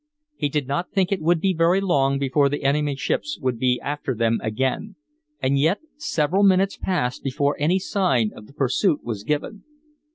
He did not think it would be very long before the enemy's ship would be after them again; and yet several minutes passed before any sign of the pursuit was given.